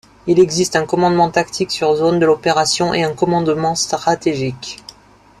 Il existe un commandement tactique sur zone de l’opération et un commandement stratégique.